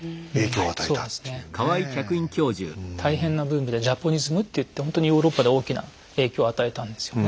大変なブームでジャポニスムっていってほんとにヨーロッパで大きな影響を与えたんですよね。